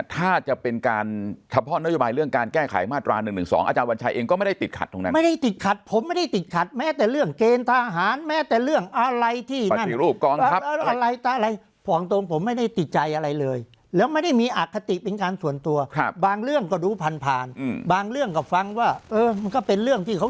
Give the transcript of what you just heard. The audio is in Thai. ถ้าจะเป็นการเฉพาะนโยบายเรื่องการแก้ไขมาตรา๑๑๒อาจารย์วัญชัยเองก็ไม่ได้ติดขัดตรงนั้นไม่ได้ติดขัดผมไม่ได้ติดขัดแม้แต่เรื่องเกณฑ์ทหารแม้แต่เรื่องอะไรที่อะไรบอกตรงผมไม่ได้ติดใจอะไรเลยแล้วไม่ได้มีอคติเป็นการส่วนตัวครับบางเรื่องก็ดูผ่านผ่านบางเรื่องก็ฟังว่าเออมันก็เป็นเรื่องที่เขา